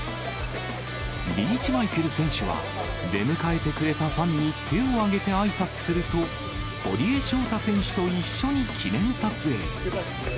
リーチマイケル選手は、出迎えてくれたファンに、手をあげてあいさつすると、堀江翔太選手と一緒に記念撮影。